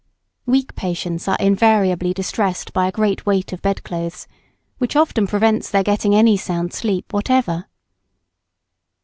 Weak patients are invariably distressed by a great weight of bed clothes, which often prevents their getting any sound sleep whatever.